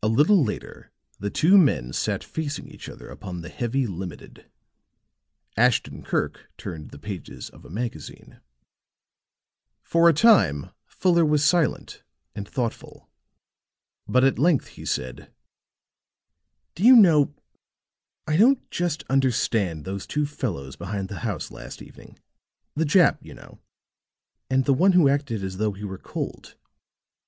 A little later the two men sat facing each other upon the heavy "Limited"; Ashton Kirk turned the pages of a magazine. For a time Fuller was silent and thoughtful. But at length he said: "Do you know I don't just understand those two fellows behind the house last evening, the Jap, you know and the one who acted as though he were cold.